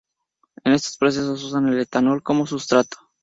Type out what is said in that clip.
En estos procesos usan el etanol como sustrato.